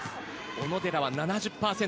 小野寺は７０％。